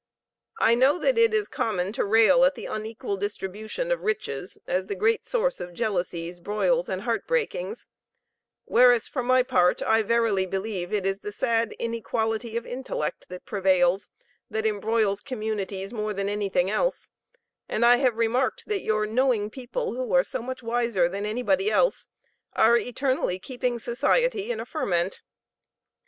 I know that it is common to rail at the unequal distribution of riches, as the great source of jealousies, broils, and heart breakings; whereas, for my part, I verily believe it is the sad inequality of intellect that prevails, that embroils communities more than anything else; and I have remarked that your knowing people, who are so much wiser than anybody else, are eternally keeping society in a ferment.